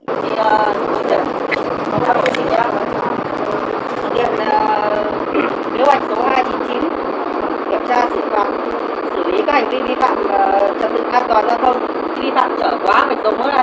thưa quý vị công tác bộ yên sĩ đã tham gia công tác